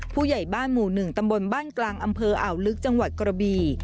ผู้ใหญ่บ้านหมู่๑ตำบลบ้านกลางอำเภออ่าวลึกจังหวัดกระบี